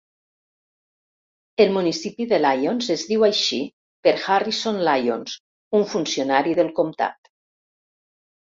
El municipi de Lyons es diu així per Harrison Lyons, un funcionari del comtat.